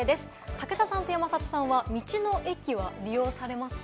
武田さん、山里さんは道の駅は利用されますか？